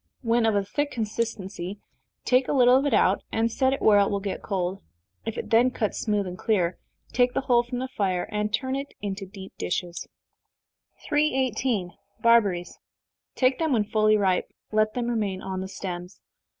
When of a thick consistency, take a little of it out, and set it where it will get cold. If it then cuts smooth and clear, take the whole from the fire, and turn it into deep dishes. 318. Barberries. Take them when fully ripe, let them remain on the stems.